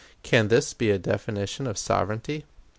Can this be a definition of sovereignty?